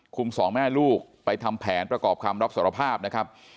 สองแม่ลูกไปทำแผนประกอบคำรับสารภาพนะครับ